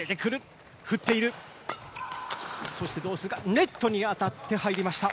ネットに当たって入りました。